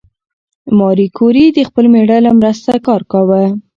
ماري کوري د خپل مېړه له مرسته کار کاوه.